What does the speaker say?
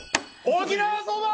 沖縄そば！